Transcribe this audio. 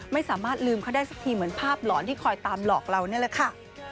ไม่สามารถลืมเขาได้สักทีเหมือนภาพหลอนที่คอยตามหลอกเรานี่แหละค่ะ